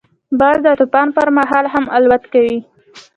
باز د طوفان پر مهال هم الوت کوي